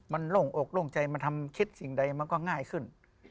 มันโล่งอกโล่งใจมันทำคิดสิ่งใดมันก็ง่ายขึ้น